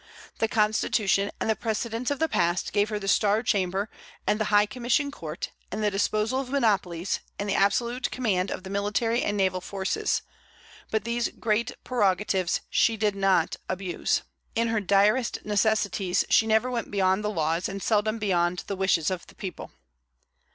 The Constitution and the precedents of the past gave her the Star Chamber, and the High Commission Court, and the disposal of monopolies, and the absolute command of the military and naval forces; but these great prerogatives she did not abuse. In her direst necessities she never went beyond the laws, and seldom beyond the wishes of the people.